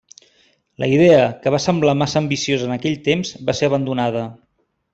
La idea, que va semblar massa ambiciosa en aquell temps, va ser abandonada.